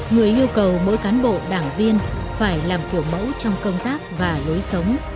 người yêu cầu mỗi cán bộ đảng viên phải làm kiểu mẫu trong công tác và lối sống